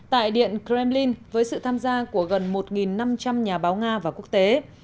tại điện kremlin với sự tham gia của gần một năm trăm linh nhà báo nga và quốc tế